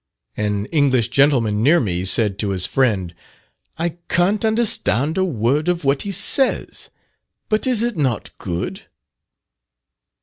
An English gentleman near me said to his friend, "I can't understand a word of what he says, but is it not good?"